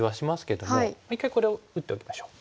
もう一回これを打っておきましょう。